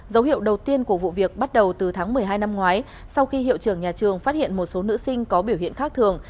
dấu hiệu đầu tiên của vụ việc bắt đầu từ tháng một mươi hai năm ngoái sau khi hiệu trưởng nhà trường phát hiện một số nữ sinh có biểu hiện khác thường